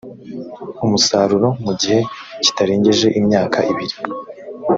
umusaruro mu gihe kitarengeje imyaka ibiri